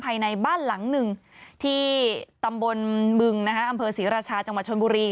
ภายในบ้านหลังหนึ่งที่ตำบลบึงอำเภอศรีราชาจังหวัดชนบุรี